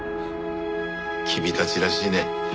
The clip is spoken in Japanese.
君たちらしいね。